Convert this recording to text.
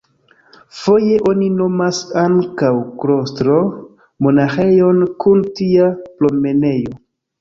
Foje oni nomas ankaŭ "klostro" monaĥejon kun tia promenejo.